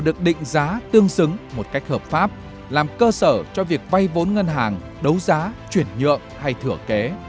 được định giá tương xứng một cách hợp pháp làm cơ sở cho việc vay vốn ngân hàng đấu giá chuyển nhượng